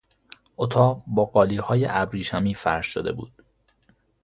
اطاق با قالیهای ابریشمی فرش شده بود.